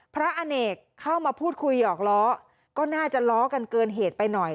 อเนกเข้ามาพูดคุยหยอกล้อก็น่าจะล้อกันเกินเหตุไปหน่อย